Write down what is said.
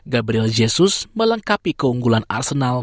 gabriel jesus melengkapi keunggulan arsenal